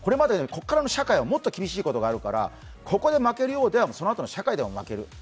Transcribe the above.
これからの社会、もっと厳しいことがあるから、ここで負けるようではそのあとの社会でも負ける。